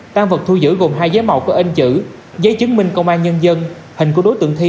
tăng vật thu giữ gồm hai giấy màu có in chữ giấy chứng minh công an nhân dân hình của đối tượng thi